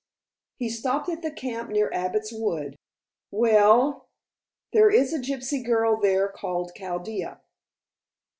"He stopped at the camp near Abbot's Wood." "Well?" "There is a gypsy girl there called Chaldea."